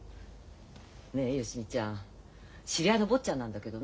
ねえ芳美ちゃん知り合いの坊っちゃんなんだけどね